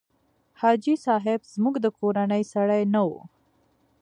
حاجي صاحب زموږ د کورنۍ سړی نه و.